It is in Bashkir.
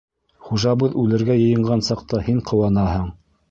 — Хужабыҙ үлергә йыйынған саҡта һин ҡыуанаһың!